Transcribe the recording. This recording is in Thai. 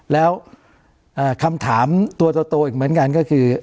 แล้วคำถามตัวโตอีกเหมือนกันก็คือ